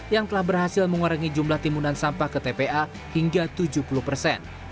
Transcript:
yang telah berhasil mengurangi jumlah timunan sampah ke tpa hingga tujuh puluh persen